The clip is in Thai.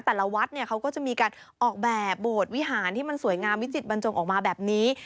แต่ละวัดเนี่ยเขาก็จะมีการออกแบบโบสถ์วิหารที่มันสวยงามวิจิตบรรจงออกมาแบบนี้